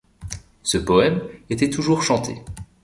Ce poème était toujours chanté.